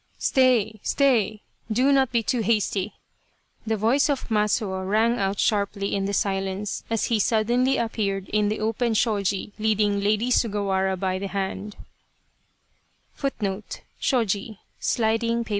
Stay, stay, do not be too hasty !" the voice of Matsuo rang out sharply in the silence, as he suddenly appeared in the open shoji t leading Lady Sugawara by the hand.